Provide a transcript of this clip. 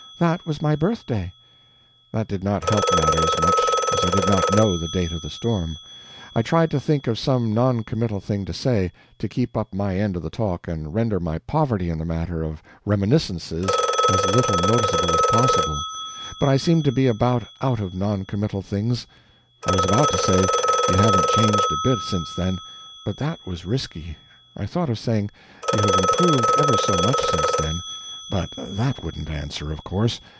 That was my birthday." That did not help matters, much, as I did not know the date of the storm. I tried to think of some non committal thing to say, to keep up my end of the talk, and render my poverty in the matter of reminiscences as little noticeable as possible, but I seemed to be about out of non committal things. I was about to say, "You haven't changed a bit since then" but that was risky. I thought of saying, "You have improved ever so much since then" but that wouldn't answer, of course.